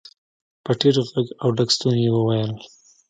په ټيټ غږ او ډک ستوني يې وويل.